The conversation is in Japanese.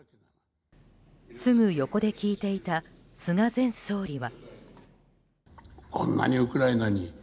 すぐ横で聞いていた菅前総理は。